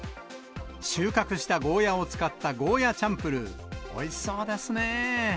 収穫したゴーヤを使ったゴーヤチャンプルー、おいしそうですね。